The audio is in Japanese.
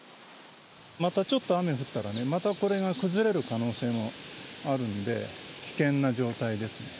またちょっと雨降ったらね、またこれが崩れる可能性もあるんで、危険な状態ですね。